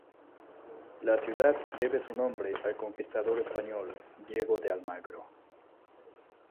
La ciudad debe su nombre al conquistador español Diego de Almagro.